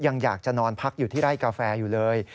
อยากจะนอนพักอยู่ที่ไร่กาแฟอยู่เลย